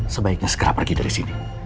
sebaiknya segera pergi dari sini